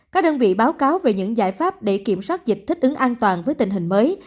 các đơn vị báo cáo về những giải pháp để kiểm soát dịch thích ứng an toàn với tình hình mới